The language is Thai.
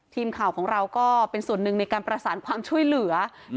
ทีมข่าวของเราก็เป็นส่วนหนึ่งในการประสานความช่วยเหลือ